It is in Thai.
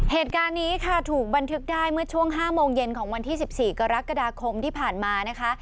เหตุการณ์นี้ค่ะถูกบันทึกได้เมื่อช่วง๕โมงเย็นของวันที่๑๔กรกฎาคมที่ผ่านมานะคะ